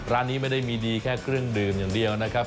ร้านนี้ไม่ได้มีดีแค่เครื่องดื่มอย่างเดียวนะครับ